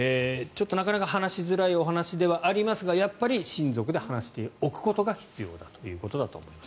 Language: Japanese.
話しづらいことではありますがやっぱり親族で話しておくことが必要だということだと思います。